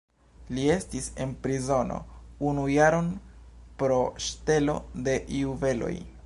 Li estis en prizono unu jaron pro ŝtelo de juveloj.